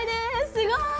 すごーい！